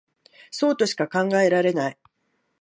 そうとしか考えられない